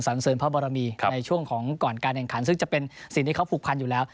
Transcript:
เสริมพระบรมีในช่วงของก่อนการแข่งขันซึ่งจะเป็นสิ่งที่เขาผูกพันอยู่แล้ว